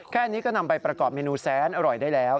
แค่นี้ก็นำไปประกอบเมนูแสนอร่อยได้แล้ว